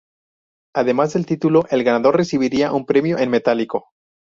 Además del título, el ganador recibirá un premio en metálico.